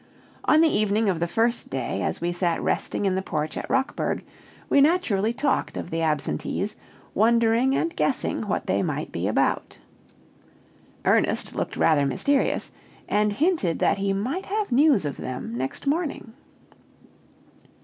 On the evening of the first day, as we sat resting in the porch at Rockburg, we naturally talked of the absentees, wondering and guessing what they might be about. Ernest looked rather mysterious, and hinted that he might have news of them next morning.